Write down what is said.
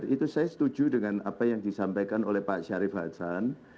itu saya setuju dengan apa yang disampaikan oleh pak syarif hasan